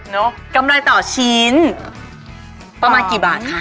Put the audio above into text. กำไรต่อชิ้นประมาณกี่บาทคะ